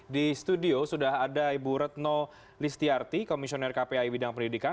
di studio sudah ada ibu retno listiarti komisioner kpai bidang pendidikan